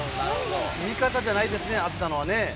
味方じゃないんですね、当てたのはね。